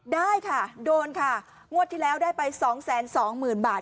ได้ค่ะโดนค่ะงวดที่แล้วได้ไปสองแสนสองหมื่นบาท